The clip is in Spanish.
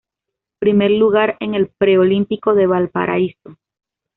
Primer lugar en el preolímpico de Valparaíso.